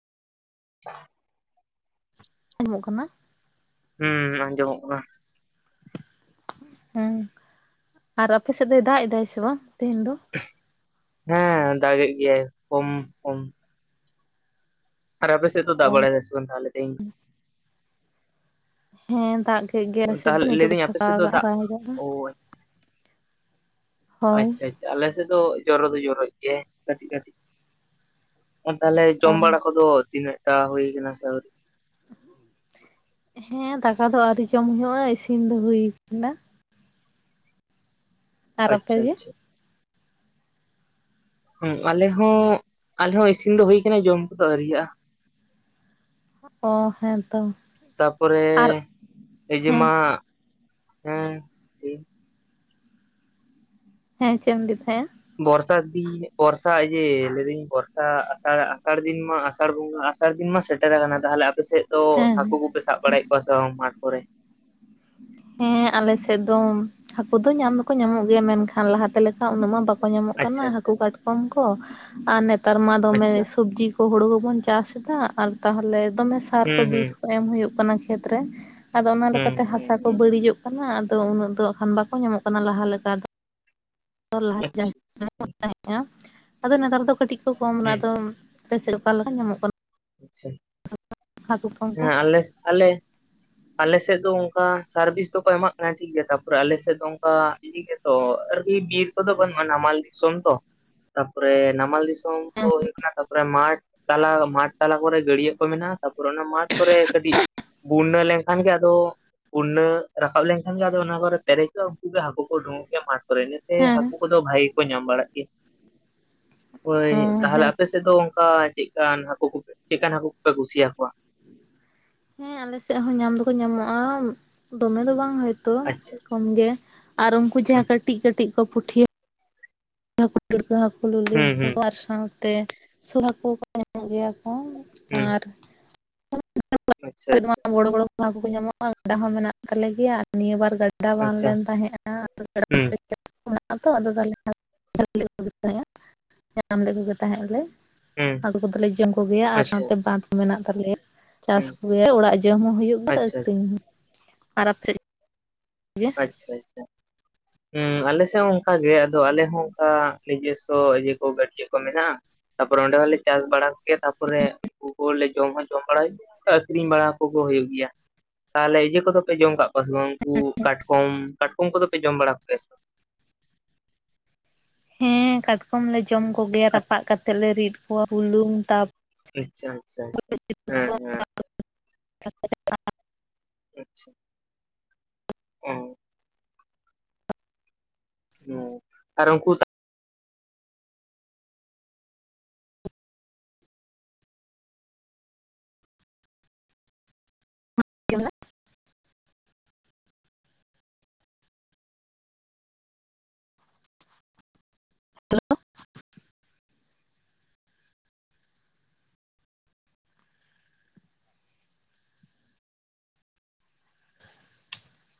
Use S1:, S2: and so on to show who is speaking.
S1: ᱦ
S2: ᱟᱡᱚᱢᱚᱜ ᱠᱟᱱᱟ?
S1: ᱦᱩᱸ ᱟᱸᱡᱚᱢᱚᱜ ᱱᱟ
S2: ᱦᱩᱸ ᱟᱨ ᱟᱯᱮ ᱥᱮᱫ ᱫᱚᱭ ᱫᱟᱜ ᱮᱫᱟᱭ ᱥᱮ ᱵᱟᱝ ᱛᱮᱦᱮᱱ ᱫᱚ?
S1: ᱦᱮᱸ ᱫᱟᱜᱮᱜ ᱜᱮᱭᱟᱭ ᱠᱚᱢ ᱠᱚᱢ ᱟᱨ ᱟᱯᱮᱥᱮᱫ ᱫᱚ ᱫᱟᱜ ᱵᱟᱲᱟᱭ ᱫᱟ ᱥᱮ ᱵᱟᱝ ᱛᱟᱦᱚᱞᱮ ᱛᱮᱸᱦᱮᱧ ᱫᱚ?
S2: ᱦᱮᱸ ᱫᱟᱜ ᱠᱮᱫ ᱜᱮᱭᱟᱭ ᱟᱞᱮ ᱥᱮᱫ ᱫᱚ
S1: ᱛᱟᱦᱚᱞᱮ
S2: ᱱᱤᱛᱚᱜ ᱫᱚ
S1: ᱞᱟᱹᱭᱫᱟᱹᱧ ᱟᱯᱮ
S2: ᱯᱷᱟᱠᱟ
S1: ᱥᱮᱫ
S2: ᱠᱟᱜᱼᱟ ᱵᱟᱭ ᱫᱟᱜ ᱫᱟ
S1: ᱚ
S2: ᱦᱳᱭ
S1: ᱟᱪᱪᱷᱟ ᱟᱪᱪᱷᱟ ᱟᱞᱮ ᱥᱮᱫ ᱫᱚ ᱡᱚᱨᱚ ᱫᱚ ᱡᱚᱨᱚᱭᱮᱫ ᱜᱮᱭᱟᱭ ᱠᱟᱹᱴᱤᱡ ᱠᱟᱹᱴᱤᱡ᱾ ᱟᱨ ᱛᱟᱦᱟᱞᱮ
S2: ᱚ
S1: ᱡᱚᱢ ᱵᱟᱲᱟ ᱠᱚᱫᱚ ᱛᱤᱱᱟᱹᱜ ᱴᱟ ᱦᱩᱭ ᱠᱟᱱᱟ ᱥᱮ ᱟᱹᱣᱨᱤ?
S2: ᱦᱮᱸ ᱫᱟᱠᱟ ᱫᱚ ᱟᱹᱣᱨᱤ ᱡᱚᱢ ᱦᱩᱭᱩᱜᱼᱟ ᱤᱥᱤᱱ ᱫᱚ ᱦᱩᱭ ᱟᱠᱟᱱᱟ᱾ ᱟᱨ ᱟᱯᱮ
S1: ᱟᱪᱪᱷᱟ
S2: ᱜᱮ?
S1: ᱟᱪᱪᱷᱟ ᱦ ᱟᱞᱮ ᱦᱚᱸ ᱟᱞᱮ ᱦᱚᱸ ᱤᱥᱤᱱ ᱫᱚ ᱦᱩᱭ ᱟᱠᱟᱱᱟ ᱡᱚᱢ ᱠᱚᱫᱚ ᱟᱹᱣᱨᱤᱭᱟᱜᱼᱟ᱾
S2: ᱚ ᱦᱮᱸ ᱛᱚ
S1: ᱛᱟᱯᱚᱨᱮ
S2: ᱟᱨ
S1: ᱮᱡᱮ
S2: ᱦᱮᱸ
S1: ᱢᱟ ᱦᱮᱸ ᱴᱷᱤᱠ
S2: ᱦᱮᱸ ᱪᱮᱫ ᱮᱢ ᱞᱟᱹᱭᱮᱫ ᱛᱟᱦᱮᱸᱼᱟ?
S1: ᱵᱚᱨᱥᱟ ᱫᱤᱱ ᱵᱚᱨᱥᱟ ᱡᱮ ᱞᱟᱹᱭᱫᱟᱹᱧ ᱵᱚᱨᱥᱟ ᱟᱥᱟᱲ ᱟᱥᱟᱲ ᱫᱤᱱ ᱢᱟ ᱟᱥᱟᱲ ᱵᱚᱸᱜᱟ᱾ ᱵᱚᱨᱥᱟ ᱫᱤᱱ ᱢᱟ ᱥᱮᱴᱮᱨ ᱟᱠᱟᱱᱟ ᱛᱟᱦᱟᱞᱮ ᱟᱯᱮ ᱥᱮᱫ ᱫᱚ
S2: ᱦᱮᱸ
S1: ᱦᱟᱹᱠᱩ ᱠᱚᱯᱮ ᱥᱟᱵ ᱵᱟᱲᱟᱭᱮᱫᱽ ᱠᱚᱣᱟ ᱥᱮ ᱵᱟᱝ ᱢᱟᱴᱷ ᱠᱚᱨᱮ?
S2: ᱦᱮᱸ ᱟᱞᱮᱥᱮᱫ ᱫᱚ ᱦᱟᱹᱠᱩ ᱫᱚ ᱧᱟᱢ ᱫᱚᱠᱚ ᱧᱟᱢᱚᱜ ᱜᱮᱭᱟ ᱢᱮᱱᱠᱷᱟᱱ ᱞᱟᱦᱟᱛᱮ ᱞᱮᱠᱟ ᱩᱱᱟᱹᱜ ᱢᱟ ᱵᱟᱠᱚ ᱧᱟᱢᱚᱜ ᱠᱟᱱᱟ
S1: ᱟᱪᱪᱷᱟ ᱟᱪᱪᱷᱟ
S2: ᱦᱟᱹᱠᱩ ᱠᱟᱴᱠᱚᱢ ᱠᱚ ᱟᱨ ᱱᱮᱛᱟᱨ ᱢᱟ ᱫᱚᱢᱮ
S1: ᱟᱪᱪᱷᱟ
S2: ᱥᱚᱵᱡᱤ ᱦᱩᱸᱲᱩ ᱦᱚᱵᱚᱱ ᱪᱟᱥ ᱫᱟ ᱟᱨ ᱛᱟᱦᱟᱞᱮ ᱫᱚᱢᱮ ᱥᱟᱨ ᱠᱚ
S1: ᱦᱩᱸ ᱦᱩᱸ
S2: ᱵᱤᱥ ᱠᱚ ᱮᱢ ᱦᱩᱭᱩᱜ ᱠᱟᱱᱟ ᱠᱷᱮᱛ ᱨᱮ, ᱟᱫᱚ ᱚᱱᱟ
S1: ᱦᱩᱸ
S2: ᱞᱮᱠᱟᱛᱮ ᱦᱟᱥᱟ
S1: ᱦᱩᱸ
S2: ᱠᱚ
S1: ᱦᱩᱸ
S2: ᱵᱟᱹᱲᱤᱡᱚᱜ ᱠᱟᱱᱟ ᱟᱫᱚ ᱩᱱᱟᱹᱜ ᱫᱚ ᱦᱟᱜᱠᱷᱟᱱ ᱵᱟᱠᱚ ᱧᱟᱢᱚᱜ ᱠᱟᱱᱟ ᱞᱟᱦᱟ ᱞᱮᱠᱟ ᱫᱚ
S1: ᱟᱪᱪᱷᱟ
S2: ᱟ ᱛᱟᱦᱮᱸᱼᱟ ᱟᱫᱚ ᱱᱮᱛᱟᱨ ᱫᱚ ᱠᱟᱹᱴᱤᱡ ᱠᱚ ᱠᱚᱢ ᱮᱱᱟ
S1: ᱦᱩᱸ
S2: ᱟᱫᱚ ᱪᱮᱫᱠᱟ ᱞᱮᱠᱟ ᱧᱟᱢᱚᱜ ᱠᱟᱱᱟ
S1: ᱟᱪᱪᱷᱟ
S2: ᱦᱟᱹᱠᱩ ᱠᱚᱢ ᱠᱚ
S1: ᱦᱮᱸ ᱟᱞᱮ ᱟᱞᱮ᱾ ᱟᱞᱮᱥᱮᱫ ᱫᱚ ᱚᱱᱠᱟ ᱥᱟᱨ ᱵᱤᱥ ᱫᱚᱠᱚ ᱮᱢᱟᱜ ᱠᱟᱱᱟ ᱴᱷᱤᱠᱜᱮᱭᱟ ᱛᱟᱯᱚᱨᱮ ᱟᱞᱮᱥᱮᱫ ᱫᱚ ᱚᱱᱠᱟ ᱛᱚ ᱟᱨᱠᱤ ᱵᱤᱨ ᱠᱚ ᱫᱚ ᱵᱟᱹᱱᱩᱜ ᱼᱟ ᱱᱟᱢᱟᱞ ᱫᱤᱥᱚᱢ ᱛᱚ ᱛᱟᱯᱚᱨᱮ ᱱᱟᱢᱟᱞ ᱫᱤᱥᱚᱢ ᱛᱚ
S2: ᱦᱮᱸ
S1: ᱦᱩᱭᱩᱜ ᱠᱟᱱᱟ ᱛᱟᱯᱚᱨᱮ ᱢᱟᱴᱷ ᱛᱟᱞᱟ ᱢᱟᱴᱷ ᱛᱟᱞᱟ ᱠᱚᱨᱮ ᱜᱟᱹᱲᱭᱟᱹ ᱠᱚ ᱢᱮᱱᱟᱜᱼᱟ ᱛᱟᱯᱚᱨᱮ ᱚᱱᱟ ᱢᱟᱴᱷ ᱠᱚᱨᱮ ᱠᱟᱹᱴᱤᱡ ᱵᱩᱱᱱᱟᱹ ᱞᱮᱱᱠᱷᱟᱱ ᱜᱮ ᱟᱫᱚ ᱵᱩᱱᱱᱟᱹ ᱨᱟᱠᱟᱵ ᱞᱮᱱᱠᱷᱟᱱ ᱜᱮ ᱚᱱᱟ ᱠᱚᱨᱮ ᱯᱮᱸᱨᱮᱡᱚᱜᱼᱟ ᱩᱱᱠᱩ ᱜᱮ ᱦᱟᱹᱠᱩ ᱠᱚ ᱳᱰᱳᱝ ᱚᱜ ᱜᱮᱭᱟ ᱢᱟᱴᱷ ᱠᱚᱨᱮ ᱤᱱᱟᱹᱛᱮ
S2: ᱦᱮᱸ
S1: ᱦᱟᱹᱠᱩ ᱠᱚᱫᱚ ᱵᱷᱟᱜᱮ ᱜᱮᱠᱚ ᱧᱟᱢ ᱵᱟᱲᱟᱜ ᱜᱮᱭᱟ᱾ ᱦᱳᱭ ᱛᱟᱦᱟᱞᱮ
S2: ᱦᱮᱸ
S1: ᱟᱯᱮ ᱥᱮᱫ ᱫᱚ ᱚᱱᱠᱟ ᱪᱮᱫᱠᱟᱱ ᱦᱟᱹᱠᱩ ᱠᱚ ᱪᱮᱫᱠᱟᱱ ᱦᱟᱹᱠᱩ ᱠᱚᱯᱮ ᱠᱩᱥᱤᱭᱟᱠᱚᱣᱟ?
S2: ᱦᱮᱸ ᱟᱞᱮ ᱥᱮᱫ ᱦᱚᱸ ᱧᱟᱢ ᱫᱚᱠᱚ ᱧᱟᱢᱚᱜᱼᱟ ᱫᱚᱢᱮ ᱫᱚ ᱵᱟᱝ ᱦᱚᱭᱛᱳ
S1: ᱟᱪᱪᱷᱟ ᱟᱪᱪᱷᱟ
S2: ᱠᱚᱢ ᱜᱮ ᱟᱨ ᱩᱱᱠᱩ
S1: ᱦᱩᱸ
S2: ᱡᱟᱦᱟᱸ ᱠᱟᱹᱴᱤᱡ ᱠᱟᱹᱴᱤᱡ ᱠᱚ ᱯᱩᱴᱷᱤ ᱦᱟᱹᱠᱩ ᱴᱩᱲᱠᱟᱹ ᱦᱟᱹᱠᱩ, ᱞᱩᱞᱤ
S1: ᱦᱩᱸ
S2: ᱦᱟᱹᱠᱩ
S1: ᱦᱩᱸ
S2: ᱠᱚ ᱟᱨ ᱥᱟᱶᱛᱮ ᱛᱮ ᱥᱳᱞ ᱦᱟᱹᱠᱩ ᱠᱚ ᱧᱟᱢᱚᱜ ᱜᱮᱭᱟ ᱠᱚ
S1: ᱦᱩᱸ
S2: ᱟᱨ
S1: ᱟᱪᱪᱷᱟ ᱟᱪᱪᱷᱟ
S2: ᱵᱚᱲᱚ ᱵᱚᱲᱚ ᱠᱚ ᱦᱟᱹᱠᱩ ᱠᱚ ᱧᱟᱢᱚᱜᱼᱟ ᱜᱟᱰᱟ ᱦᱚᱸ ᱢᱮᱱᱟᱜ ᱛᱟᱞᱮ ᱜᱮᱭᱟ ᱱᱤᱭᱟᱹ ᱵᱟᱨ ᱜᱟᱰᱟ ᱜᱟᱰᱟ ᱵᱟᱱ
S1: ᱟᱪᱪᱷᱟ
S2: ᱞᱮᱱ ᱛᱟᱦᱮᱸᱜᱼᱟ ᱟᱫᱚ
S1: ᱦᱩᱸ
S2: [inaudible] ᱛᱚ ᱟᱫᱚ ᱛᱟᱦᱟᱞᱮ [inaudible] ᱧᱟᱢ ᱞᱮᱫᱠᱚᱜᱮ ᱛᱟᱦᱮᱸᱫ ᱞᱮ
S1: ᱦᱩᱸ
S2: ᱦᱟᱹᱠᱩ ᱠᱚᱫᱚᱞᱮ ᱡᱚᱢ ᱠᱚᱜᱮᱭᱟ ᱟᱨ
S1: ᱟᱪᱪᱷᱟ
S2: ᱥᱟᱶᱛᱮ
S1: ᱟᱪᱪᱷᱟ
S2: ᱵᱟᱸᱫᱷ ᱢᱮᱱᱟᱜ ᱛᱟᱞᱮᱭᱟ ᱪᱟᱥ
S1: ᱦᱩᱸ
S2: ᱚᱸᱲᱟᱜ ᱡᱚᱢ ᱦᱚᱸ ᱦᱩᱭᱩᱜᱼᱟ ᱟᱨ
S1: ᱟᱪᱪᱷᱟ
S2: ᱟᱹᱠᱷᱨᱤᱧ ᱦᱚᱸ ᱟᱨ ᱟᱯᱮ ᱜᱮ
S1: ᱟᱪᱪᱷᱟ ᱟᱪᱪᱷᱟ ᱦ ᱟᱞᱮᱥᱮᱫ ᱦᱚᱸ ᱚᱱᱠᱟ ᱜᱮ ᱟᱫᱚ ᱟᱞᱮ ᱦᱚᱸ ᱚᱱᱠᱟ ᱱᱤᱡᱚᱥᱥᱚ ᱤᱭᱟᱹ ᱠᱚ ᱜᱟᱹᱰᱭᱟᱹ ᱠᱚ ᱢᱮᱱᱟᱜᱼᱟ ᱛᱟᱯᱚᱨᱮ ᱚᱸᱰᱮ ᱦᱚᱞᱮ ᱪᱟᱥ ᱵᱟᱲᱟ ᱠᱮᱭᱟ ᱛᱟᱯᱚᱨᱮ ᱩᱱᱠᱩ ᱠᱚ ᱞᱮ ᱡᱚᱢ ᱦᱚ ᱡᱚᱢ ᱵᱟᱲᱟ ᱦᱩᱭᱱᱟ ᱟᱹᱠᱷᱨᱤᱧ ᱵᱟᱲᱟ ᱠᱚ ᱦᱩᱭᱩᱜ ᱜᱮᱭᱟ ᱛᱟᱦᱚᱞᱮ ᱤᱭᱟᱹ ᱠᱚᱫᱚ ᱯᱮ ᱡᱚᱢ ᱠᱟᱜ ᱯᱟᱥ ᱵᱟᱝ ᱩᱱᱠᱩ ᱠᱟᱴᱠᱚᱢ ᱠᱟᱴᱠᱚᱢ ᱠᱚᱫᱚ ᱯᱮ ᱡᱚᱢ ᱵᱟᱲᱟ ᱠᱚᱜᱮᱭᱟ ᱥᱮ ᱵᱟᱝ?
S2: ᱦᱮ ᱠᱟᱴᱠᱚᱢ ᱞᱮ ᱡᱚᱢ ᱠᱚᱜᱮᱭᱟ
S1: ᱠᱟᱴ
S2: ᱨᱟᱯᱟᱜ ᱠᱟᱛᱮᱜ ᱞᱮ ᱨᱤᱫ ᱠᱚᱣᱟ ᱵᱩᱞᱩᱝ ᱛᱟ
S1: ᱟᱪᱪᱷᱟ ᱟᱪᱪᱷᱟ ᱟᱪᱪᱷᱟ ᱦᱮ ᱦᱮ
S2: [inaudible]
S1: ᱟᱪᱪᱷᱟ ᱚ ᱟᱨ ᱩᱱᱠᱩ
S2: [inaudible] ᱦᱮᱞᱳ